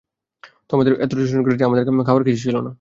সে আমাদের এতটাই শোষণ করেছিল যে আমাদের খাওয়ার কিছুই ছিল না।